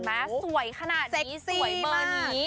สวยขนาดนี้สวยเบอร์นี้